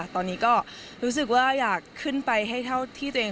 ตอนนี้ก็รู้สึกว่าอยากขึ้นไปให้เท่าที่ตัวเอง